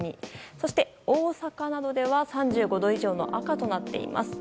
そして、大阪などでは３５度以上の赤となっています。